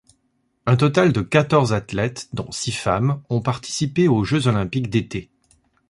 Un total de quatorze athlètes dont six femmes ont participé aux Jeux Olympiques d'été.